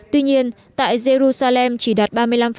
tuy nhiên tại jerusalem chỉ đạt ba mươi năm